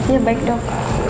ya baik dok